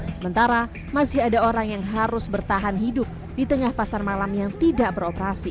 sementara masih ada orang yang harus bertahan hidup di tengah pasar malam yang tidak beroperasi